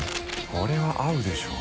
これは合うでしょ。